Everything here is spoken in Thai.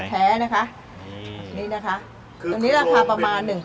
ตรงนี้ราคาประมาณ๑๐๐๐บาท